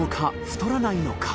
太らないのか？